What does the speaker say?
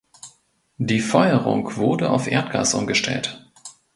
Die Feuerung wurde auf Erdgas umgestellt.